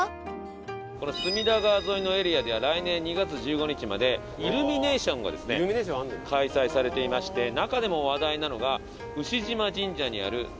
この隅田川沿いのエリアでは来年２月１５日までイルミネーションがですね開催されていまして中でも話題なのが牛嶋神社にある竹あかり。